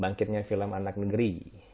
bangkitnya film anak negeri